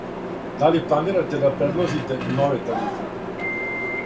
Да ли планирате да предлозите нове тарифе?